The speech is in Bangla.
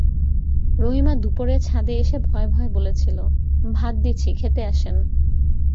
রহিমা দুপুরে ছাদে এসে ভয়ে-ভয়ে বলেছিল, ভাত দিছি, খেতে আসেন।